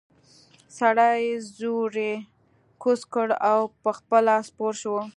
سړي زوی کوز کړ او پخپله سپور شو.